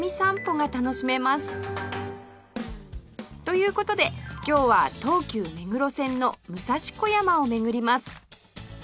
という事で今日は東急目黒線の武蔵小山を巡ります